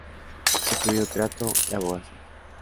Estudió teatro y abogacía.